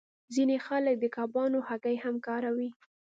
ځینې خلک د کبانو هګۍ هم کاروي